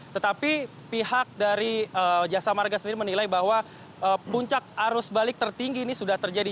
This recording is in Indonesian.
tetapi pihak dari jasa marga sendiri menilai bahwa puncak arus balik tertinggi ini sudah terjadi